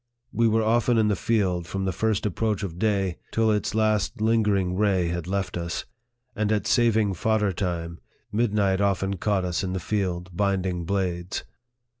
We were often in the field from the first approach of day till its last lingering ray had left us ; and at saving fodder time, midnight often caught us in the field binding blades.